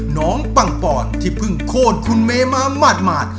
ปังปอนที่เพิ่งโคตรคุณเมมาหมาด